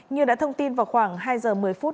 như đã thông tin vào khoảng hai giờ một mươi phút